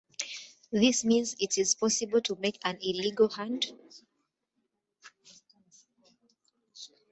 This means it is possible to make an illegal hand.